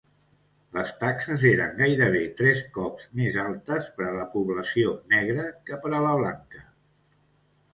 Les taxes eren gairebé tres cops més altes per a la població negra que per a la blanca.